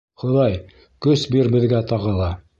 Хоҙай, көс бир беҙгә тағы ла.